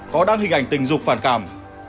có đăng hình ảnh tình dục phản cảm